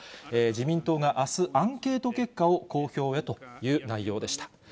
自民党があす、アンケート結果を公表へという内容でした。